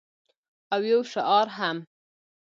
او یو شعار هم